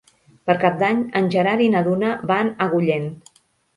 Per Cap d'Any en Gerard i na Duna van a Agullent.